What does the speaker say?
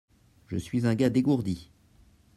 Je suis un gars dégourdi.